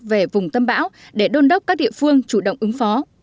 về vùng tâm bão để đôn đốc các địa phương chủ động ứng phó